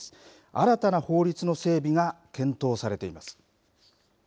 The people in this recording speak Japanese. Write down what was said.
新たな法律の整備が検討されています。